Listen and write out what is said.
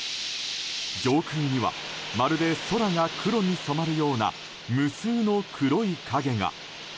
上空には、まるで空が黒く染まるような無数の黒い影が。